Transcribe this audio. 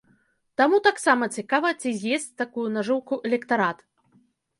Таму таксама цікава, ці з'есць такую нажыўку электарат?